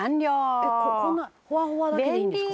「えっこんなほわほわだけでいいんですか？」